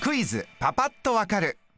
パパっと分かる。